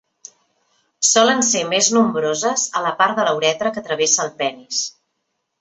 Solen ser més nombroses a la part de la uretra que travessa el penis.